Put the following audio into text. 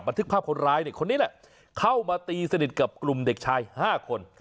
ทึกภาพคนร้ายเนี่ยคนนี้แหละเข้ามาตีสนิทกับกลุ่มเด็กชาย๕คน